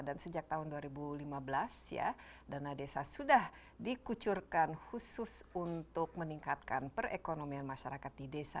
dan sejak tahun dua ribu lima belas ya dana desa sudah dikucurkan khusus untuk meningkatkan perekonomian masyarakat di desa